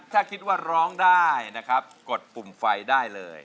ถ้าคิดว่าร้องได้นะครับกดปุ่มไฟได้เลย